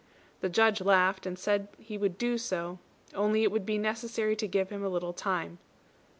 The Judge laughed, and said he would do so, only it would be necessary to give him a little time.